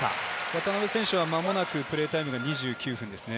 渡邊選手は間もなくプレータイムが２９分ですね。